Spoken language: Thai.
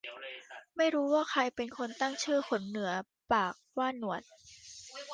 ไม่รู้ว่าใครเป็นคนตั้งชื่อขนเหนือปากว่าหนวด